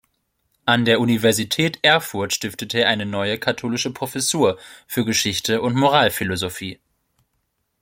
An der Universität Erfurt stiftete er eine neue, katholische Professur für Geschichte und Moralphilosophie.